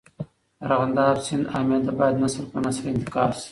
د ارغنداب سیند اهمیت باید نسل په نسل انتقال سي.